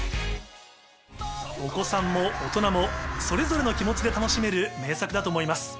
お子さんも大人もそれぞれの気持ちで楽しめる名作だと思います。